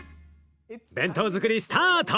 弁当づくりスタート！